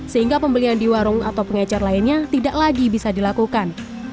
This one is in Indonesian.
sehingga pembelian di warung atau pengecer lainnya tidak lagi bisa dilakukan